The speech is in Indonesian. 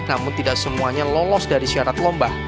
namun tidak semuanya lolos dari syarat lomba